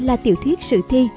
là tiểu thuyết sự thi